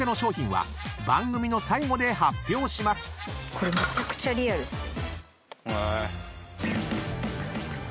これめちゃくちゃリアルですよ。